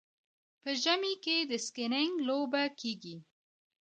په ژمي کې د سکیینګ لوبه کیږي.